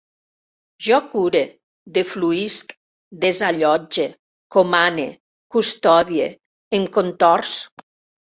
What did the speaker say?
Jo cure, defluïsc, desallotge, comane, custodie, em contorç